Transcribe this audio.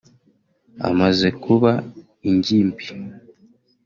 Amaze kuba ingimbi